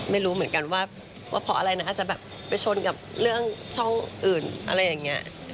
ไม่รู้เหมือนกันว่าเพราะอะไรนะคะจะแบบไปชนกับเรื่องช่องอื่นอะไรอย่างนี้